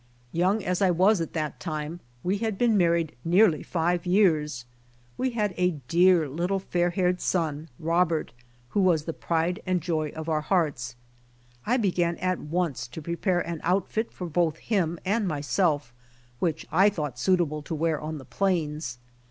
Young as I was at that time we had been married nearly live years. We had a dear little fair haired son, Robert, who was the pride and joy of our hearts. I began at once to prepare an outfit for both him and myself which I thought suitable to wear on the plains.